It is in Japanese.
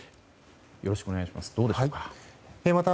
よろしくお願いします。